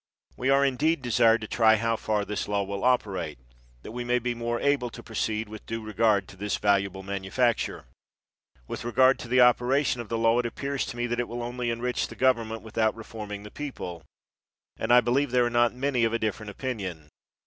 We are, indeed, desired to try how far this law will operate, that we may be more able to proceed with due regard to this valuable manufacture. With regard to the operation of the law, it appears to me that it will only enrich the govern ment without reforming the people; and I be lieve there are not many of a different opin ion.